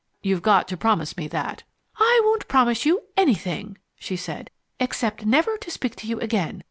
You've got to promise me that." "I won't promise you ANYTHING," she said, "except never to speak to you again.